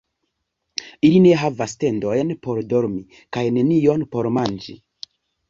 Ili ne havas tendojn por dormi kaj nenion por manĝi.